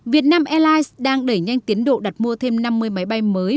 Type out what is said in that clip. việt nam airlines đang đẩy nhanh tiến độ đặt mua thêm năm mươi máy bay mới